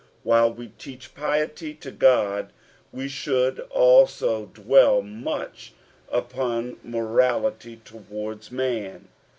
While we teach piety to God we should also dwell much upon morality towarls man.